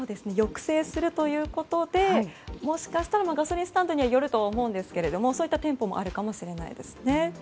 抑制するということでもしかしたらガソリンスタンドによるとは思うんですがそういった店舗もあるかもしれないです。